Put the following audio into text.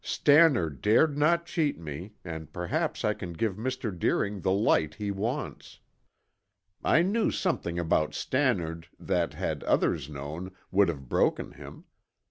"Stannard dared not cheat me, and perhaps I can give Mr. Deering the light he wants. I knew something about Stannard that, had others known, would have broken him.